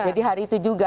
jadi hari itu juga